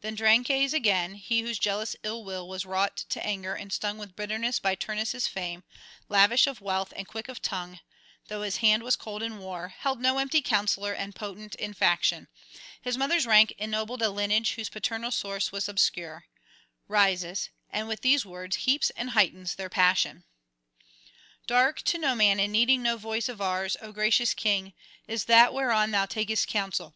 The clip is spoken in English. Then Drances again, he whose jealous ill will was [337 370]wrought to anger and stung with bitterness by Turnus' fame, lavish of wealth and quick of tongue though his hand was cold in war, held no empty counsellor and potent in faction his mother's rank ennobled a lineage whose paternal source was obscure rises, and with these words heaps and heightens their passion: 'Dark to no man and needing no voice of ours, O gracious king, is that whereon thou takest counsel.